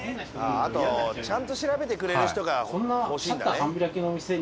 あとちゃんと調べてくれる人が欲しいんだね。